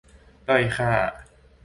ด้อยค่า